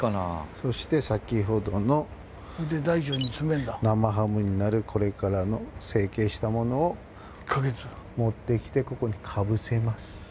そして先ほどの生ハムになるこれから成形したものを持ってきてここにかぶせます。